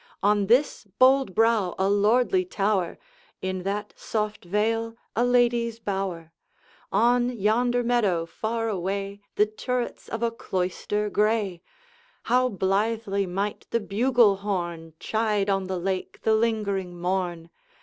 On this bold brow, a lordly tower; In that soft vale, a lady's bower; On yonder meadow far away, The turrets of a cloister gray; How blithely might the bugle horn Chide on the lake the lingering morn!